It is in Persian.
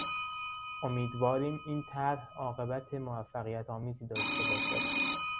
امیدواریم این طرح عاقبت موفقیتآمیزی داشته باشد.